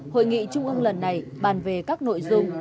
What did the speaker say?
hội nghị trung ương lần này bàn về các nội dung